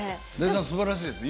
すばらしいです。